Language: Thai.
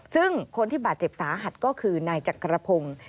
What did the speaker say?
ซึ่งคนที่บาดเจ็บสาหัสก็คือนายจักรพงศ์